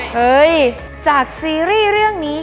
เฮ้ยจากซีรีส์เรื่องนี้